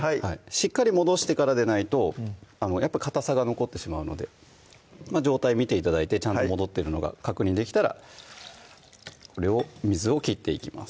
しっかり戻してからでないとかたさが残ってしまうので状態見て頂いてちゃんと戻ってるのが確認できたらこれを水を切っていきます